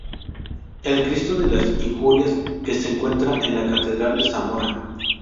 El Cristo de las Injurias, que se encuentra en la catedral de Zamora.